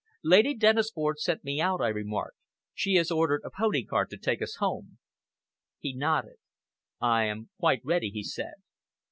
"Lady Dennisford sent me out," I remarked, "She has ordered a pony cart to take us home." He nodded. "I am quite ready," he said.